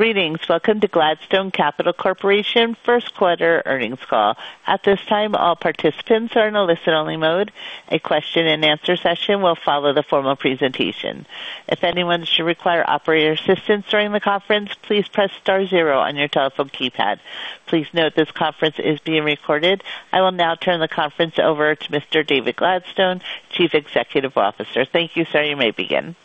Greetings. Welcome to Gladstone Capital Corporation First Quarter Earnings Call. At this time, all participants are in a listen-only mode. A question-and-answer session will follow the formal presentation. If anyone should require operator assistance during the conference, please press star zero on your telephone keypad. Please note, this conference is being recorded. I will now turn the conference over to Mr. David Gladstone, Chief Executive Officer. Thank you, sir. You may begin. Thank you,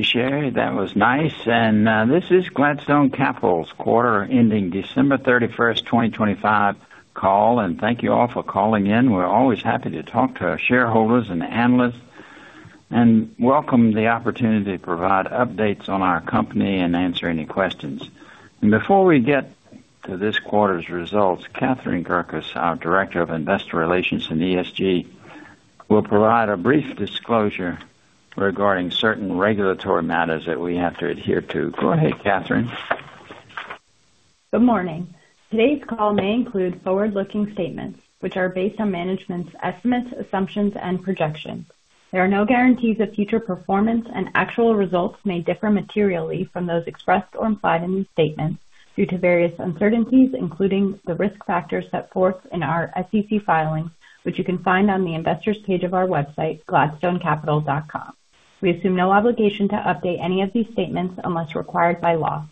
Sherry. That was nice. This is Gladstone Capital's quarter ending December 31st, 2025 call. Thank you all for calling in. We're always happy to talk to our shareholders and analysts and welcome the opportunity to provide updates on our company and answer any questions. Before we get to this quarter's results, Catherine Gerkis, our Director of Investor Relations and ESG, will provide a brief disclosure regarding certain regulatory matters that we have to adhere to. Go ahead, Catherine. Good morning. Today's call may include forward-looking statements, which are based on management's estimates, assumptions, and projections. There are no guarantees of future performance, and actual results may differ materially from those expressed or implied in these statements due to various uncertainties, including the risk factors set forth in our SEC filings, which you can find on the Investors page of our website, gladstonecapital.com. We assume no obligation to update any of these statements unless required by law.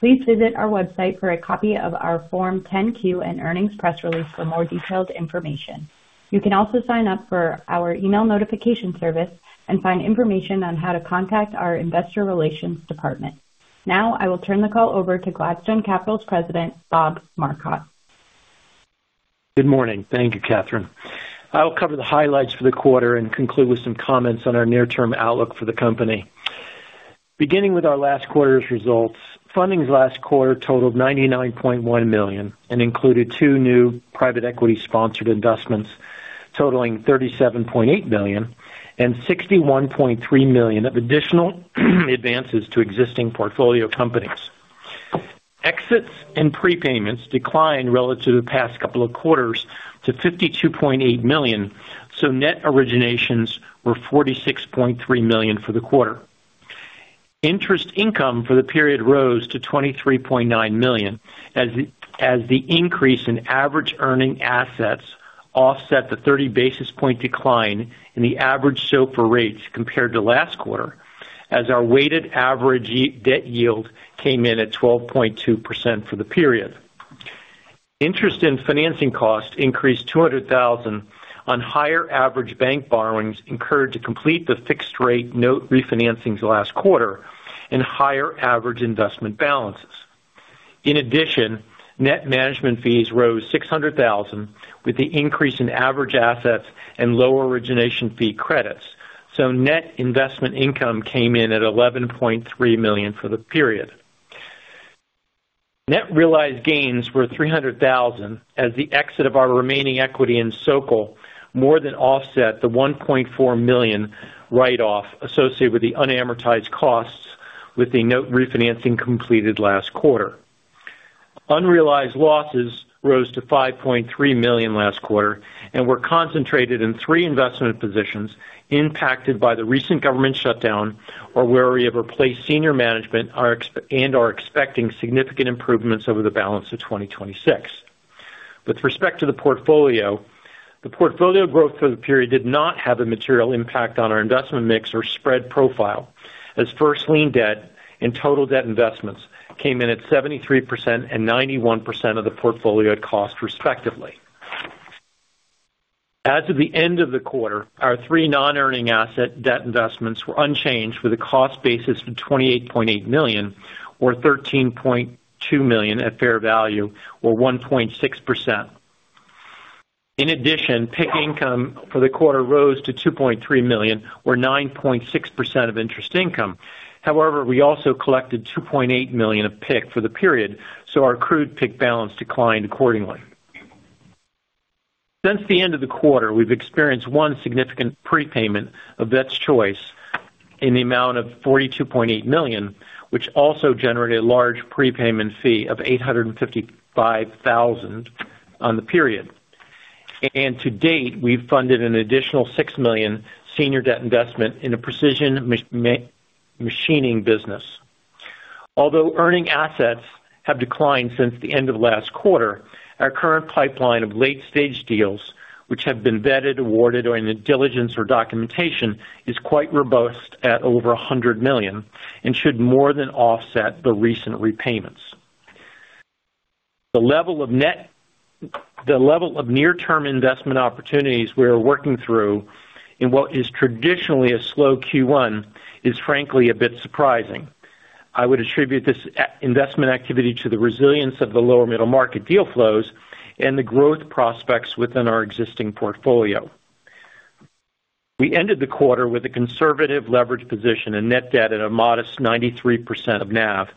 Please visit our website for a copy of our Form 10-Q and earnings press release for more detailed information. You can also sign up for our email notification service and find information on how to contact our investor relations department. Now, I will turn the call over to Gladstone Capital's President, Bob Marcotte. Good morning. Thank you, Catherine. I will cover the highlights for the quarter and conclude with some comments on our near-term outlook for the company. Beginning with our last quarter's results, fundings last quarter totaled $99.1 million and included two new private equity-sponsored investments totaling $37.8 million and $61.3 million of additional advances to existing portfolio companies. Exits and prepayments declined relative to the past couple of quarters to $52.8 million, so net originations were $46.3 million for the quarter. Interest income for the period rose to $23.9 million as the increase in average earning assets offset the 30 basis point decline in the average SOFR rates compared to last quarter, as our weighted average debt yield came in at 12.2% for the period. Interest in financing costs increased $200,000 on higher average bank borrowings incurred to complete the fixed-rate note refinancings last quarter and higher average investment balances. In addition, net management fees rose $600,000, with the increase in average assets and lower origination fee credits. So net investment income came in at $11.3 million for the period. Net realized gains were $300,000 as the exit of our remaining equity in Sokal more than offset the $1.4 million write-off associated with the unamortized costs with the note refinancing completed last quarter. Unrealized losses rose to $5.3 million last quarter and were concentrated in 3 investment positions impacted by the recent government shutdown, or where we have replaced senior management and are expecting significant improvements over the balance of 2026. With respect to the portfolio, the portfolio growth for the period did not have a material impact on our investment mix or spread profile, as first lien debt and total debt investments came in at 73% and 91% of the portfolio at cost, respectively. As of the end of the quarter, our three non-earning asset debt investments were unchanged, with a cost basis of $28.8 million or $13.2 million at fair value, or 1.6%. In addition, PIK income for the quarter rose to $2.3 million or 9.6% of interest income. However, we also collected $2.8 million of PIK for the period, so our accrued PIK balance declined accordingly. Since the end of the quarter, we've experienced one significant prepayment of Vets Choice in the amount of $42.8 million, which also generated a large prepayment fee of $855,000 on the period. To date, we've funded an additional $6 million senior debt investment in a precision machining business. Although earning assets have declined since the end of last quarter, our current pipeline of late-stage deals, which have been vetted, awarded, or in diligence or documentation, is quite robust at over $100 million and should more than offset the recent repayments. The level of near-term investment opportunities we are working through in what is traditionally a slow Q1 is, frankly, a bit surprising. I would attribute this investment activity to the resilience of the lower middle market deal flows and the growth prospects within our existing portfolio. We ended the quarter with a conservative leverage position and net debt at a modest 93% of NAV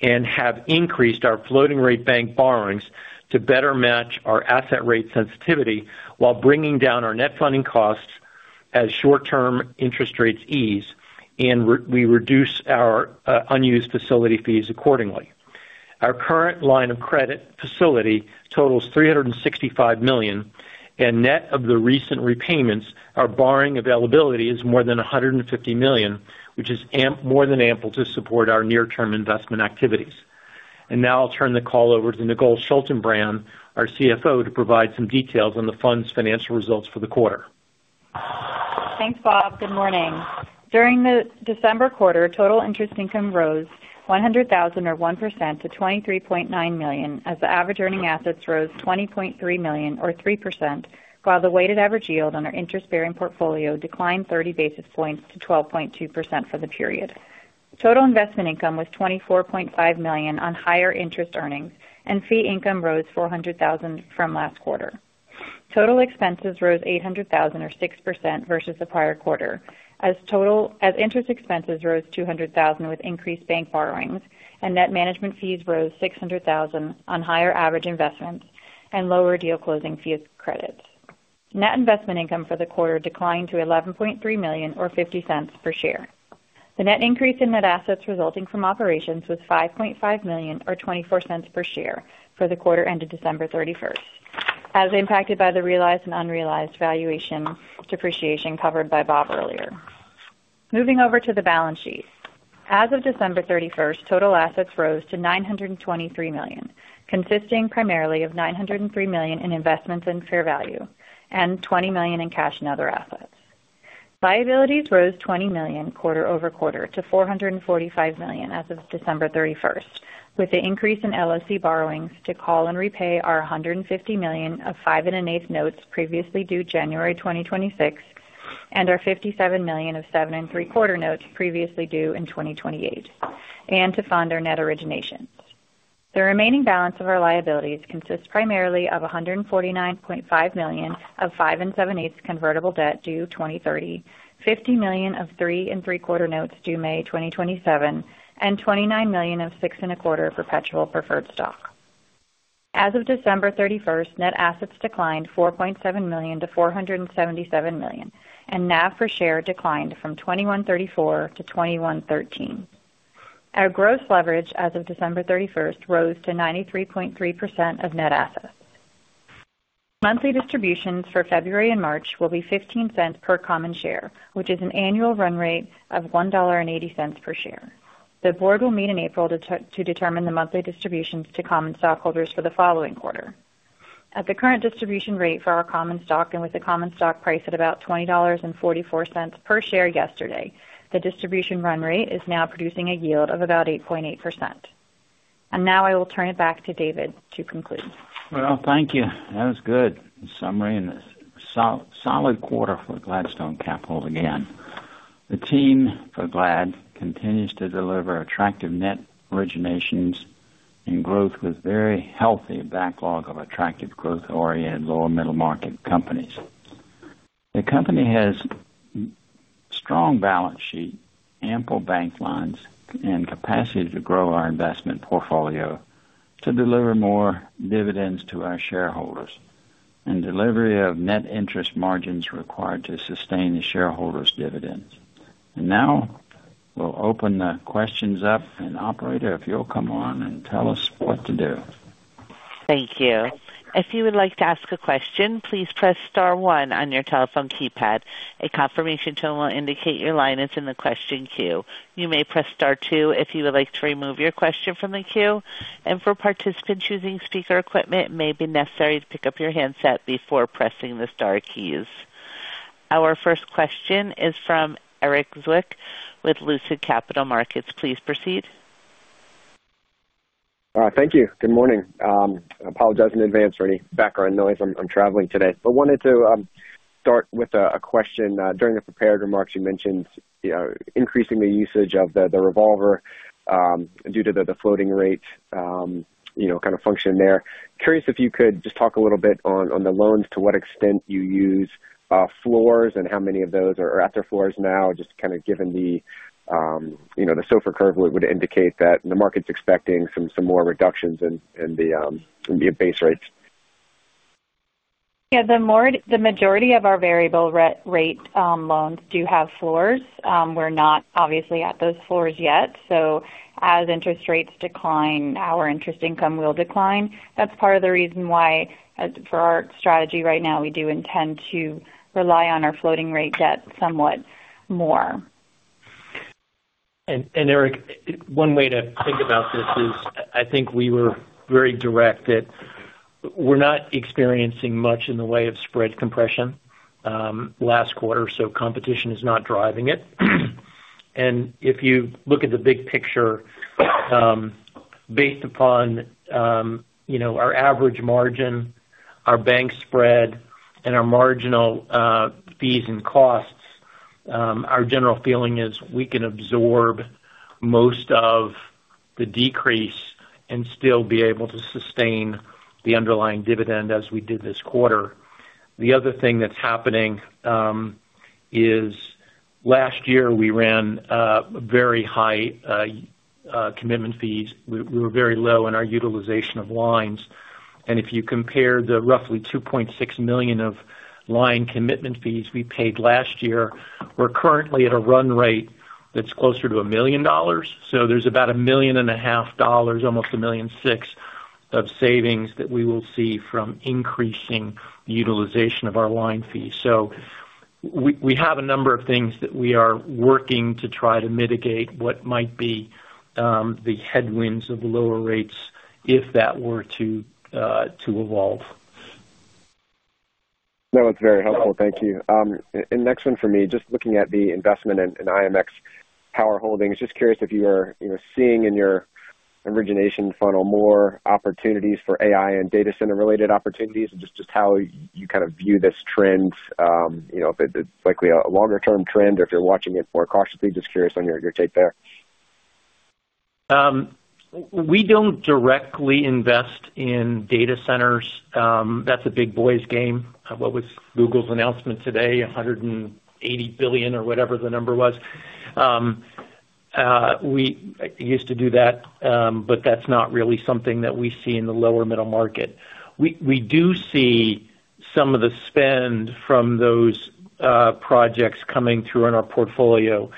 and have increased our floating rate bank borrowings to better match our asset rate sensitivity while bringing down our net funding costs as short-term interest rates ease and we reduce our unused facility fees accordingly. Our current line of credit facility totals $365 million, and net of the recent repayments, our borrowing availability is more than $150 million, which is more than ample to support our near-term investment activities. And now I'll turn the call over to Nicole Schaltenbrand, our CFO, to provide some details on the fund's financial results for the quarter. Thanks, Bob. Good morning. During the December quarter, total interest income rose $100 thousand or 1% to $23.9 million, as the average earning assets rose $20.3 million or 3%, while the weighted average yield on our interest-bearing portfolio declined 30 basis points to 12.2% for the period. Total investment income was $24.5 million on higher interest earnings, and fee income rose $400 thousand from last quarter. Total expenses rose $800 thousand or 6% versus the prior quarter, as interest expenses rose $200 thousand with increased bank borrowings, and net management fees rose $600 thousand on higher average investments and lower deal closing fees credits. Net investment income for the quarter declined to $11.3 million or $0.50 per share. The net increase in net assets resulting from operations was $5.5 million or $0.24 per share for the quarter ended December 31, as impacted by the realized and unrealized valuation depreciation covered by Bob earlier. Moving over to the balance sheet. As of December 31st, total assets rose to $923 million, consisting primarily of $903 million in investments at fair value and $20 million in cash and other assets. Liabilities rose $20 million quarter-over-quarter to $445 million as of December 31st, with the increase in LOC borrowings to call and repay $150 million of 5.125% notes previously due January 2026, and $57 million of 7.75% notes previously due in 2028, and to fund our net originations. The remaining balance of our liabilities consists primarily of $149.5 million of 5⅞% convertible debt due 2030, $50 million of 3¾% notes due May 2027, and $29 million of 6¼% perpetual preferred stock. As of December 31st, net assets declined $4.7 million to $477 million, and NAV per share declined from 21.34-21.13. Our gross leverage as of December 31st rose to 93.3% of net assets. Monthly distributions for February and March will be $0.15 per common share, which is an annual run rate of $1.80 per share. The board will meet in April to determine the monthly distributions to common stockholders for the following quarter. At the current distribution rate for our common stock and with the common stock price at about $20.44 per share yesterday, the distribution run rate is now producing a yield of about 8.8%. Now I will turn it back to David to conclude. Well, thank you. That was good summary and a so solid quarter for Gladstone Capital again. The team for Glad continues to deliver attractive net originations and growth with very healthy backlog of attractive growth-oriented lower middle-market companies. The company has strong balance sheet, ample bank lines, and capacity to grow our investment portfolio to deliver more dividends to our shareholders, and delivery of net interest margins required to sustain the shareholders' dividends. And now, we'll open the questions up. And Operator, if you'll come on and tell us what to do. Thank you. If you would like to ask a question, please press star one on your telephone keypad. A confirmation tone will indicate your line is in the question queue. You may press star two if you would like to remove your question from the queue. For participants using speaker equipment, it may be necessary to pick up your handset before pressing the star keys. Our first question is from Erik Zwick with Lucid Capital Markets. Please proceed. Thank you. Good morning. I apologize in advance for any background noise. I'm traveling today. But wanted to start with a question. During the prepared remarks, you mentioned, you know, increasing the usage of the revolver, due to the floating rate, you know, kind of function there. Curious if you could just talk a little bit on the loans, to what extent you use floors and how many of those are at their floors now, just kind of given the, you know, the SOFR curve would indicate that the market's expecting some more reductions in the base rates. Yeah, the majority of our variable rate loans do have floors. We're not obviously at those floors yet, so as interest rates decline, our interest income will decline. That's part of the reason why, for our strategy right now, we do intend to rely on our floating rate debt somewhat more. Erik, one way to think about this is, I think we were very direct that we're not experiencing much in the way of spread compression last quarter, so competition is not driving it. And if you look at the big picture, based upon, you know, our average margin, our bank spread, and our marginal fees and costs, our general feeling is we can absorb most of the decrease and still be able to sustain the underlying dividend as we did this quarter. The other thing that's happening is last year, we ran very high commitment fees. We were very low in our utilization of lines. And if you compare the roughly $2.6 million of line commitment fees we paid last year, we're currently at a run rate that's closer to $1 million. So there's about $1.5 million, almost $1.6 million, of savings that we will see from increasing the utilization of our line fees. We have a number of things that we are working to try to mitigate what might be the headwinds of the lower rates, if that were to evolve. No, it's very helpful. Thank you. And next one for me, just looking at the investment in IMX Power Holdings, just curious if you are, you know, seeing in your origination funnel more opportunities for AI and data center-related opportunities, and just how you kind of view this trend, you know, if it's likely a longer-term trend or if you're watching it more cautiously, just curious on your take there? We don't directly invest in data centers. That's a big boys game. What was Google's announcement today? $180 billion or whatever the number was. We used to do that, but that's not really something that we see in the lower middle market. We, we do see some of the spend from those projects coming through in our portfolio.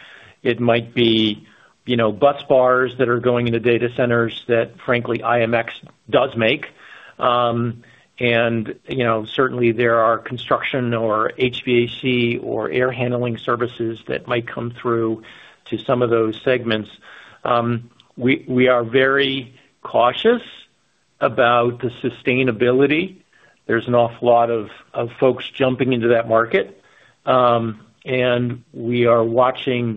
It might be, you know, bus bars that are going into data centers that, frankly, IMX does make. And, you know, certainly there are construction or HVAC or air handling services that might come through to some of those segments. We, we are very cautious about the sustainability. There's an awful lot of folks jumping into that market, and we are watching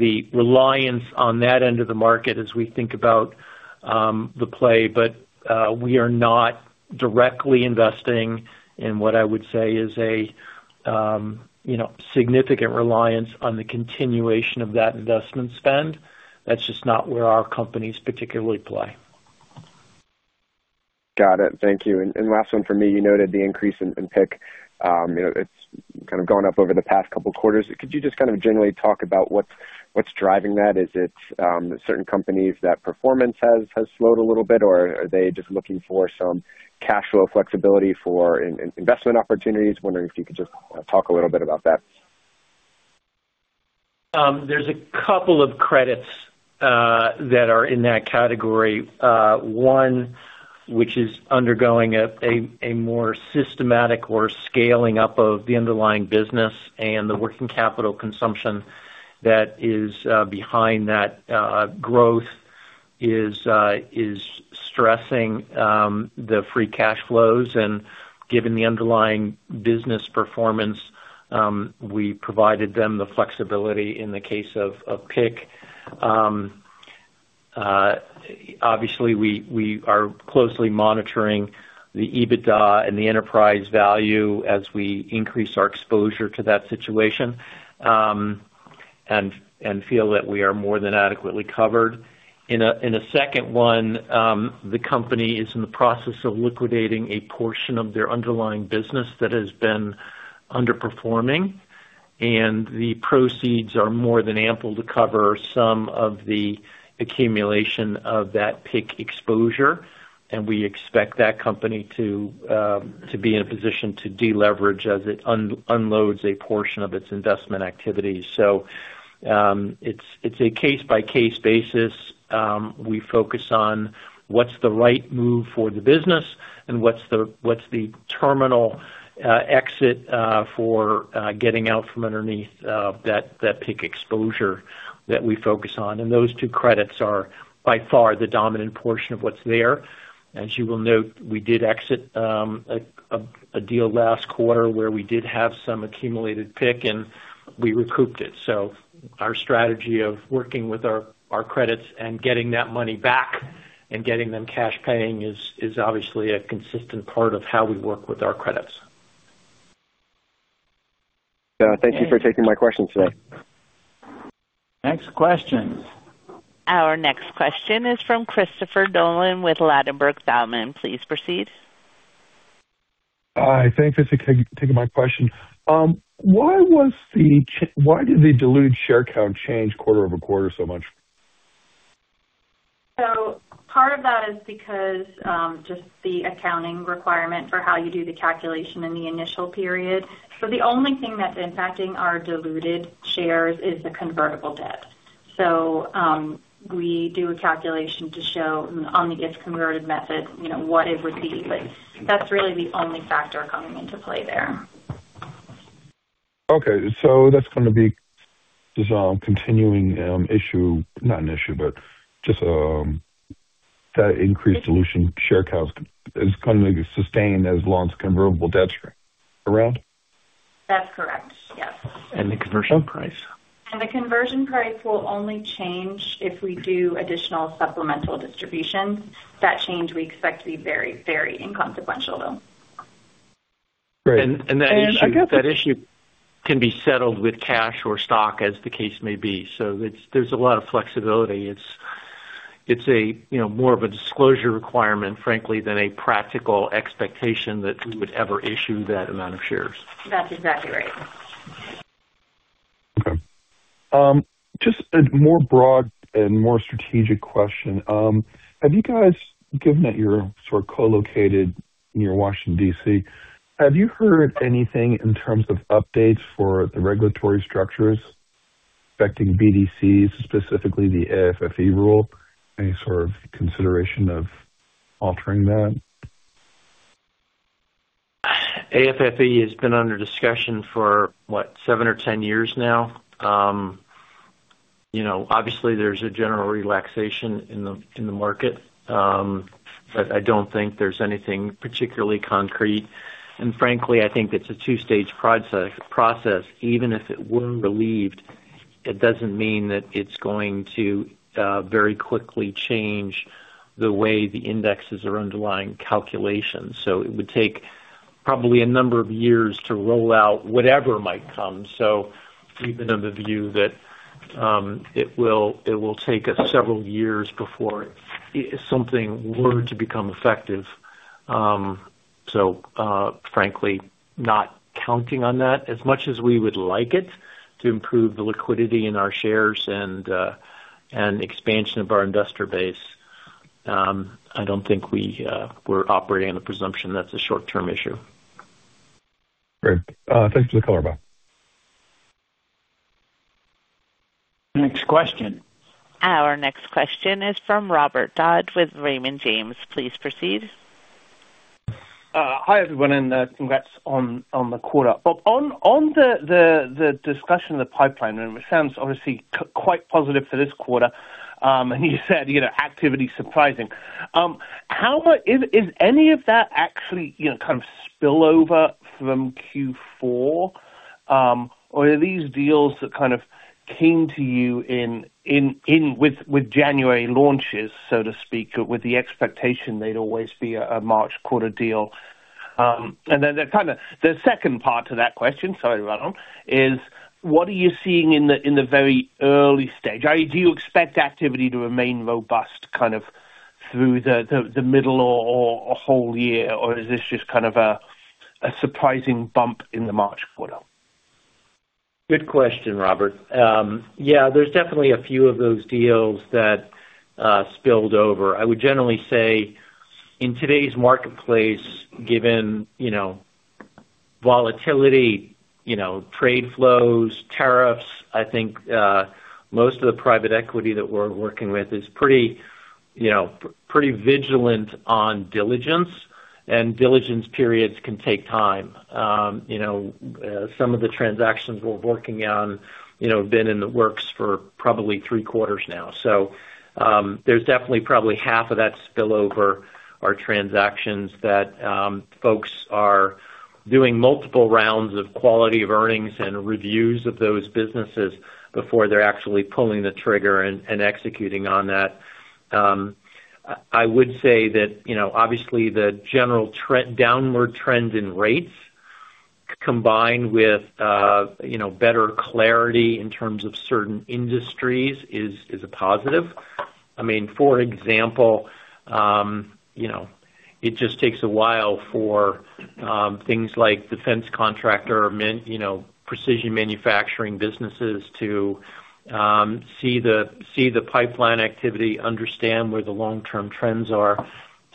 the reliance on that end of the market as we think about the play, but we are not directly investing in what I would say is a, you know, significant reliance on the continuation of that investment spend. That's just not where our companies particularly play. Got it. Thank you. And last one for me, you noted the increase in PIK. You know, it's kind of gone up over the past couple of quarters. Could you just kind of generally talk about what's driving that? Is it certain companies that performance has slowed a little bit, or are they just looking for some cash flow flexibility for investment opportunities? Wondering if you could just talk a little bit about that. There's a couple of credits that are in that category. One, which is undergoing a more systematic or scaling up of the underlying business and the working capital consumption that is behind that growth, is stressing the free cash flows. And given the underlying business performance, we provided them the flexibility in the case of PIK. Obviously, we are closely monitoring the EBITDA and the enterprise value as we increase our exposure to that situation, and feel that we are more than adequately covered. In a second one, the company is in the process of liquidating a portion of their underlying business that has been underperforming, and the proceeds are more than ample to cover some of the accumulation of that PIK exposure, and we expect that company to be in a position to deleverage as it unloads a portion of its investment activities. So, it's a case-by-case basis. We focus on what's the right move for the business and what's the terminal exit for getting out from underneath that PIK exposure that we focus on. And those two credits are by far the dominant portion of what's there. As you will note, we did exit a deal last quarter where we did have some accumulated PIK and we recouped it. So our strategy of working with our credits and getting that money back and getting them cash paying is obviously a consistent part of how we work with our credits. Thank you for taking my questions today. Next question. Our next question is from Christopher Nolan with Ladenburg Thalmann. Please proceed. Hi, thank you for taking my question. Why did the diluted share count change quarter-over-quarter so much? So part of that is because, just the accounting requirement for how you do the calculation in the initial period. So the only thing that's impacting our diluted shares is the convertible debt. So, we do a calculation to show on the if converted method, you know, what it would be, but that's really the only factor coming into play there. Okay. So that's gonna be just a continuing issue, not an issue, but just that increased dilution share count is gonna be sustained as long as convertible debts are around? That's correct. Yes. The conversion price? The conversion price will only change if we do additional supplemental distributions. That change, we expect to be very, very inconsequential, though. Great. That issue can be settled with cash or stock, as the case may be. So it's, there's a lot of flexibility. It's a, you know, more of a disclosure requirement, frankly, than a practical expectation that we would ever issue that amount of shares. That's exactly right. Okay. Just a more broad and more strategic question. Have you guys, given that you're sort of co-located near Washington, D.C., have you heard anything in terms of updates for the regulatory structures affecting BDCs, specifically the AFFE rule? Any sort of consideration of altering that? AFFE has been under discussion for, what, 7 or 10 years now. You know, obviously, there's a general relaxation in the market. But I don't think there's anything particularly concrete. And frankly, I think it's a two-stage process. Even if it were relieved, it doesn't mean that it's going to very quickly change the way the indexes are underlying calculations. So it would take probably a number of years to roll out whatever might come. So we've been of the view that it will take us several years before if something were to become effective. So, frankly, not counting on that as much as we would like it to improve the liquidity in our shares and expansion of our investor base. I don't think we, we're operating on the presumption that's a short-term issue. Great. Thanks for the color. Bye. Next question. Our next question is from Robert Dodd with Raymond James. Please proceed. Hi, everyone, and congrats on the quarter. But on the discussion of the pipeline, and it sounds obviously quite positive for this quarter, and you said, you know, activity surprising. How much is any of that actually, you know, kind of spill over from Q4? Or are these deals that kind of came to you in with January launches, so to speak, with the expectation they'd always be a March quarter deal? And then the kinda the second part to that question, sorry, Robert, is what are you seeing in the very early stage? Do you expect activity to remain robust, kind of through the middle or a whole year, or is this just kind of a surprising bump in the March quarter? Good question, Robert. Yeah, there's definitely a few of those deals that spilled over. I would generally say in today's marketplace, given, you know, volatility, you know, trade flows, tariffs, I think most of the private equity that we're working with is pretty, you know, pretty vigilant on diligence, and diligence periods can take time. You know, some of the transactions we're working on, you know, have been in the works for probably three quarters now. So, there's definitely probably half of that spillover are transactions that folks are doing multiple rounds of quality of earnings and reviews of those businesses before they're actually pulling the trigger and executing on that. I would say that, you know, obviously, the general downward trend in rates, combined with, you know, better clarity in terms of certain industries is a positive. I mean, for example, you know, it just takes a while for things like defense contractor, you know, precision manufacturing businesses to see the pipeline activity, understand where the long-term trends are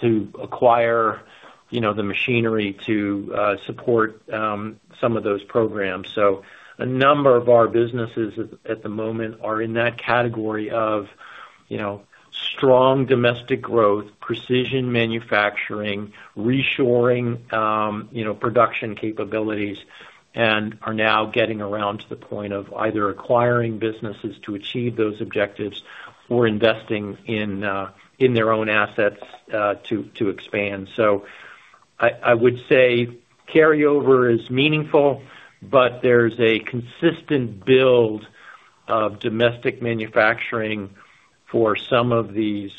to acquire, you know, the machinery to support some of those programs. So a number of our businesses at the moment are in that category of, you know, strong domestic growth, precision manufacturing, reshoring, you know, production capabilities, and are now getting around to the point of either acquiring businesses to achieve those objectives or investing in their own assets to expand. So I would say carryover is meaningful, but there's a consistent build of domestic manufacturing for some of these,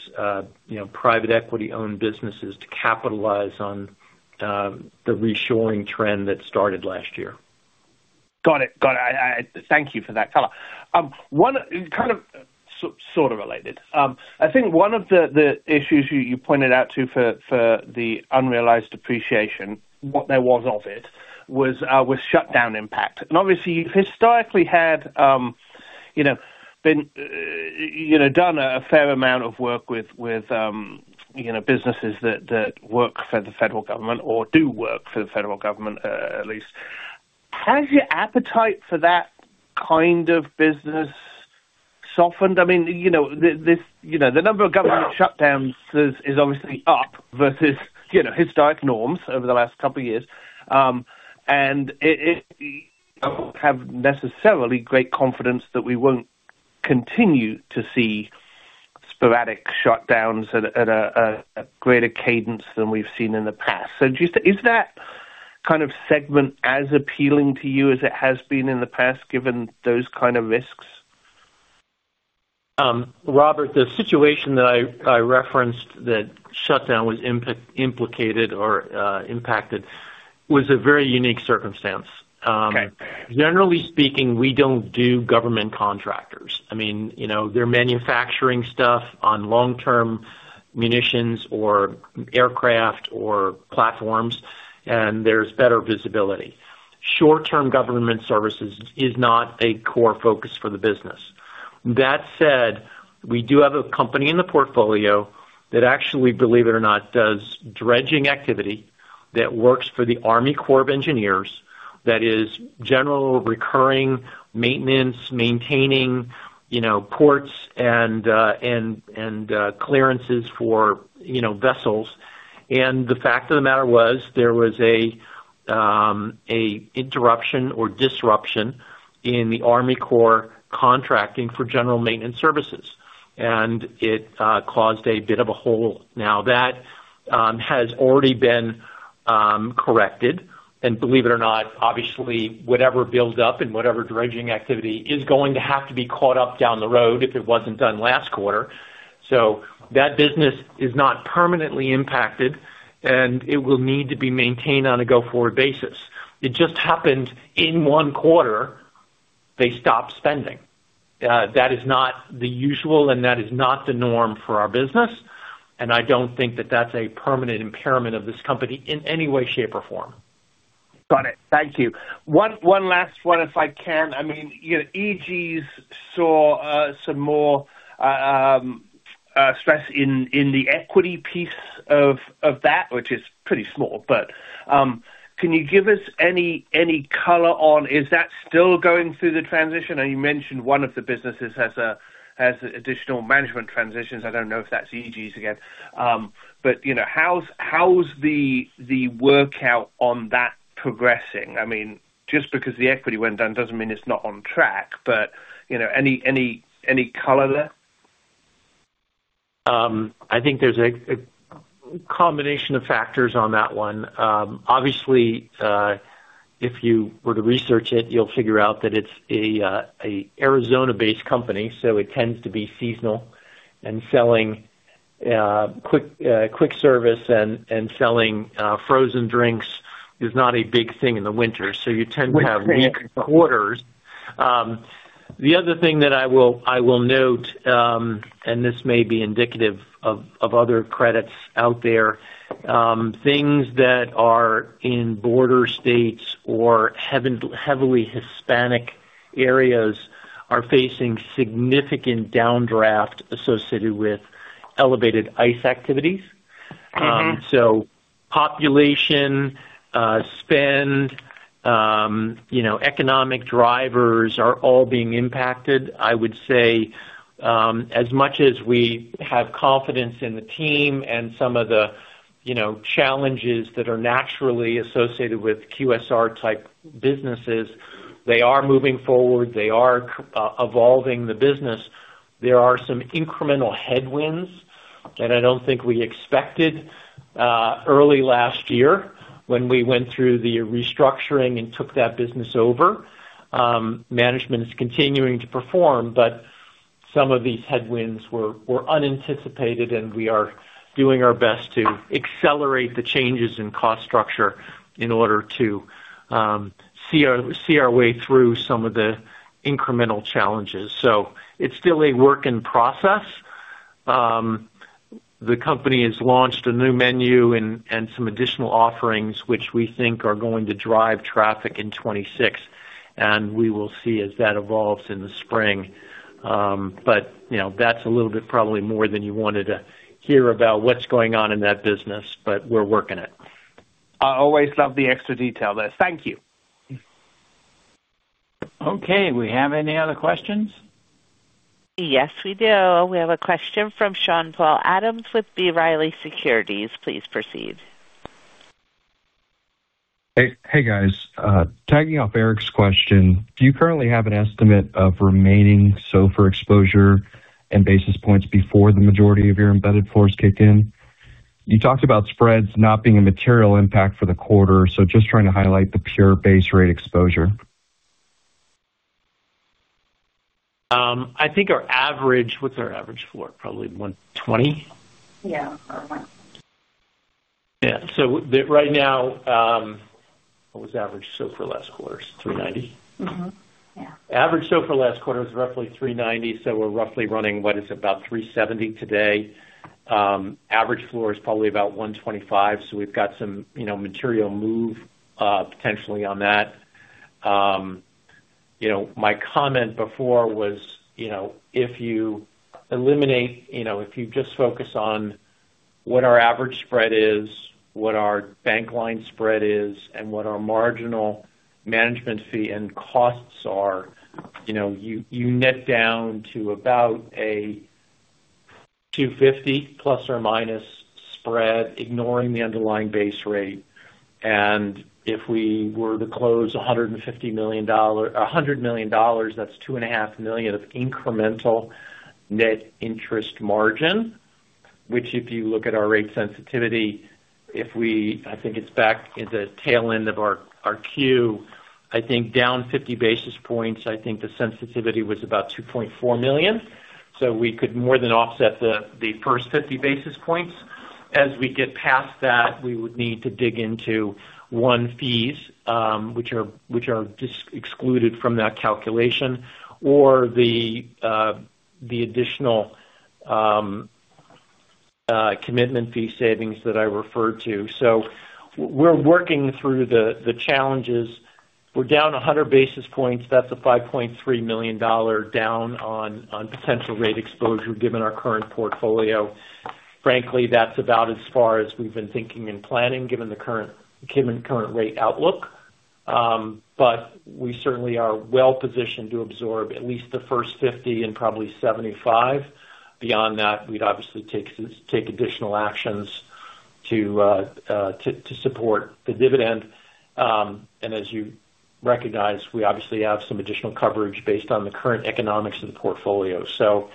you know, private equity-owned businesses to capitalize on the reshoring trend that started last year. Got it. Got it. Thank you for that color. One, kind of sort of related. I think one of the issues you pointed out to for the unrealized appreciation, what there was of it, was shutdown impact. And obviously, you historically had, you know, been, you know, done a fair amount of work with, you know, businesses that work for the federal government or do work for the federal government, at least. Has your appetite for that kind of business softened? I mean, you know, this, you know, the number of government shutdowns is obviously up versus, you know, historic norms over the last couple of years. And it don't have necessarily great confidence that we won't continue to see sporadic shutdowns at a greater cadence than we've seen in the past. So do you think? Is that kind of segment as appealing to you as it has been in the past, given those kind of risks? Robert, the situation that I referenced that shutdown was implicated or impacted was a very unique circumstance. Okay. Generally speaking, we don't do government contractors. I mean, you know, they're manufacturing stuff on long-term munitions or aircraft or platforms, and there's better visibility. Short-term government services is not a core focus for the business. That said, we do have a company in the portfolio that actually, believe it or not, does dredging activity that works for the Army Corps of Engineers. That is general recurring maintenance, maintaining, you know, ports and clearances for, you know, vessels. And the fact of the matter was, there was a interruption or disruption in the Army Corps contracting for general maintenance services, and it caused a bit of a hole. Now, that has already been corrected, and believe it or not, obviously, whatever builds up and whatever dredging activity is going to have to be caught up down the road if it wasn't done last quarter. So that business is not permanently impacted, and it will need to be maintained on a go-forward basis. It just happened in one quarter, they stopped spending. That is not the usual, and that is not the norm for our business, and I don't think that that's a permanent impairment of this company in any way, shape, or form. Got it. Thank you. One last one, if I can. I mean, you know, Eegee's saw some more stress in the equity piece of that, which is pretty small. But can you give us any color on, is that still going through the transition? I know you mentioned one of the businesses has additional management transitions. I don't know if that's Eegee's again. But you know, how's the workout on that progressing? I mean, just because the equity went down doesn't mean it's not on track, but you know, any color there? I think there's a combination of factors on that one. Obviously, if you were to research it, you'll figure out that it's a Arizona-based company, so it tends to be seasonal. And selling quick service and selling frozen drinks is not a big thing in the winter, so you tend to have weak quarters. The other thing that I will note, and this may be indicative of other credits out there, things that are in border states or heavily Hispanic areas are facing significant downdraft associated with elevated ICE activities. Mm-hmm. So population, spend, you know, economic drivers are all being impacted. I would say, as much as we have confidence in the team and some of the, you know, challenges that are naturally associated with QSR-type businesses, they are moving forward, they are evolving the business. There are some incremental headwinds that I don't think we expected early last year when we went through the restructuring and took that business over. Management is continuing to perform, but some of these headwinds were unanticipated, and we are doing our best to accelerate the changes in cost structure in order to see our way through some of the incremental challenges. So it's still a work in process. The company has launched a new menu and some additional offerings, which we think are going to drive traffic in 2026, and we will see as that evolves in the spring. But, you know, that's a little bit probably more than you wanted to hear about what's going on in that business, but we're working it. I always love the extra detail there. Thank you. Okay. Do we have any other questions? Yes, we do. We have a question from Sean Paul Adams with B. Riley Securities. Please proceed. Hey, hey, guys. Tagging off Eric's question, do you currently have an estimate of remaining SOFR exposure and basis points before the majority of your embedded floors kick in? You talked about spreads not being a material impact for the quarter, so just trying to highlight the pure base rate exposure. I think our average... What's our average floor? Probably 120? Yeah, or one. Yeah. So, right now, what was average SOFR last quarter? 3.90? Mm-hmm. Yeah. Average SOFR last quarter was roughly 3.90, so we're roughly running what is about 3.70 today. Average floor is probably about 1.25, so we've got some, you know, material move, potentially on that. You know, my comment before was, you know, if you eliminate, you know, if you just focus on what our average spread is, what our bank line spread is, and what our marginal management fee and costs are, you know, you, you net down to about a 2.50 plus or minus spread, ignoring the underlying base rate. And if we were to close a hundred and fifty million dollar, a hundred million dollars, that's $2.5 million of incremental net interest margin. Which, if you look at our rate sensitivity, if we—I think it's back in the tail end of our queue, I think down 50 basis points, I think the sensitivity was about $2.4 million, so we could more than offset the first 50 basis points. As we get past that, we would need to dig into fees, which are excluded from that calculation, or the additional commitment fee savings that I referred to. So we're working through the challenges. We're down 100 basis points. That's a $5.3 million down on potential rate exposure, given our current portfolio. Frankly, that's about as far as we've been thinking and planning, given the current rate outlook. But we certainly are well positioned to absorb at least the first 50 and probably 75. Beyond that, we'd obviously take additional actions to support the dividend. And as you recognize, we obviously have some additional coverage based on the current economics of the portfolio. So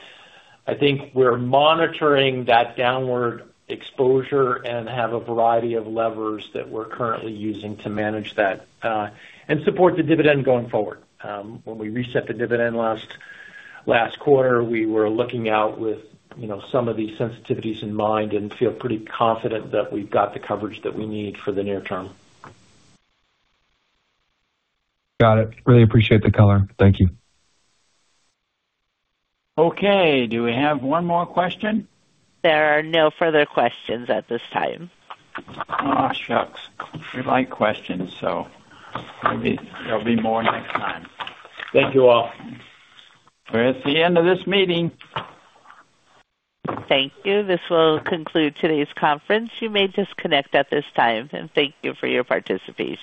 I think we're monitoring that downward exposure and have a variety of levers that we're currently using to manage that, and support the dividend going forward. When we reset the dividend last quarter, we were looking out with, you know, some of these sensitivities in mind and feel pretty confident that we've got the coverage that we need for the near term. Got it. Really appreciate the color. Thank you. Okay. Do we have one more question? There are no further questions at this time. Oh, shucks! We like questions, so maybe there'll be more next time. Thank you, all. We're at the end of this meeting. Thank you. This will conclude today's conference. You may disconnect at this time, and thank you for your participation.